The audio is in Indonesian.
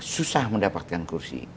susah mendapatkan kursi